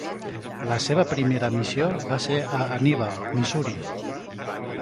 La seva primera missió va ser a Hannibal, Missouri.